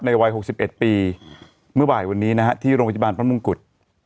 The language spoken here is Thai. วัย๖๑ปีเมื่อบ่ายวันนี้นะฮะที่โรงพยาบาลพระมงกุฎ